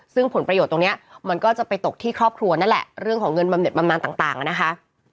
ซึ่งผลประโยชน์ตรงนี้มันก็จะไปตกที่ครอบครัวนั่นแหละเรื่องของเงินบำเน็ตบำนานต่างนะคะ